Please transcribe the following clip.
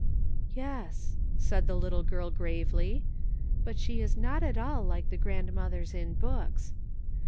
''Yes," said the little girl gravely; "but she is not at all like the grandmothers in books.